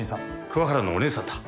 桑原のお姉さんだ。